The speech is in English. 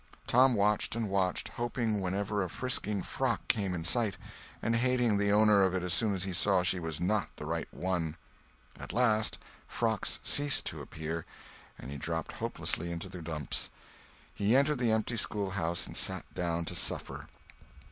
Tom watched and watched, hoping whenever a frisking frock came in sight, and hating the owner of it as soon as he saw she was not the right one. At last frocks ceased to appear, and he dropped hopelessly into the dumps; he entered the empty schoolhouse and sat down to suffer.